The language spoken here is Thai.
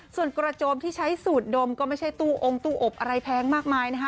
ส่วนกระโจมที่ใช้สูตรดมก็ไม่ใช่ตู้องค์ตู้อบอะไรแพงมากมายนะคะ